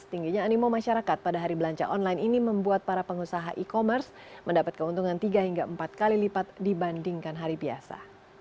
tingginya animo masyarakat pada hari belanja online ini membuat para pengusaha e commerce mendapat keuntungan tiga hingga empat kali lipat dibandingkan hari biasa